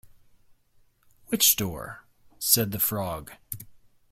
‘Which door?’ said the Frog.